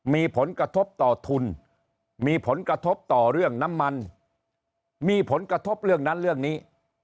มีผลกระทบต่อทุนมีผลกระทบต่อเรื่องน้ำมันมีผลกระทบเรื่องนั้นเรื่องนี้